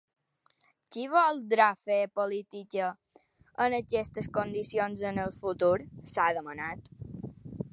“Qui voldrà fer política en aquestes condicions en el futur?”, s’ha demanat.